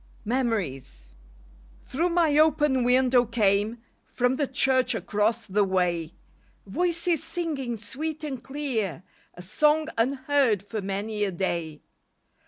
MEMORIES Thru my open window came From the church across the way, Voices singing sweet and clear A song unheard for many a day.